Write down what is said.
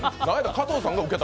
加藤さんがウケた。